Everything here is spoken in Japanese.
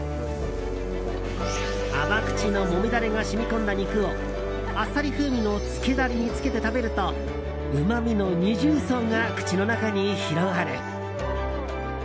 甘口のもみダレが染み込んだ肉をあっさり風味のつけダレにつけて食べるとうまみの二重奏が口の中に広がる。